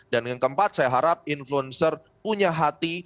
dan yang keempat saya harap influencer punya hati